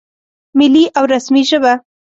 ملي او رسمي ژبه